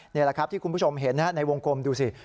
นี่แหละครับที่คุณผู้ชมเห็นในวงกลมดูสิ